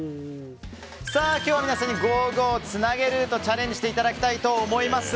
今日は皆さんに「ＧＯ！ＧＯ！つなげルート」チャレンジしていただきたいと思います。